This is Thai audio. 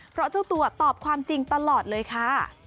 เพราะเจ้าตัวตอบความจริงตลอดเลยค่ะ